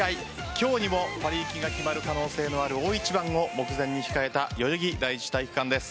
今日にもパリ行きが決まる可能性のある大一番を目前に控えた代々木第一体育館です。